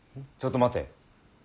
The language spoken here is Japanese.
ちょっと待て。